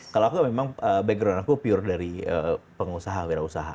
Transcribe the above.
kalau aku memang background aku pure dari pengusaha wirausaha